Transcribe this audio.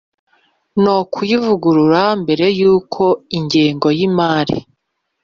no kuyivugurura Mbere y uko ingengo y imari